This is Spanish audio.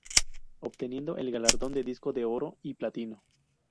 Obteniendo el galardón de disco de oro y platino.